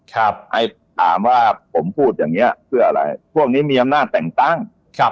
ให้ถามว่าผมพูดอย่างเงี้ยเพื่ออะไรพวกนี้มีอำนาจแต่งตั้งครับ